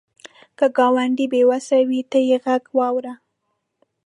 که ګاونډی بې وسه وي، ته یې غږ واوره